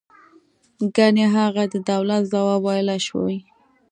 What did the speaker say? گني هغه د دولت ځواب ویلای شوی.